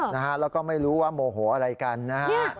แล้วก็ไม่รู้ว่าโมโหอะไรกันนะฮะ